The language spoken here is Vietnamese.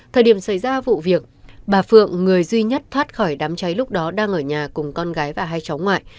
thời điểm xảy ra vụ việc bà phượng người duy nhất thoát khỏi đám cháy lúc đó đang ở nhà cùng con gái và hai cháu ngoại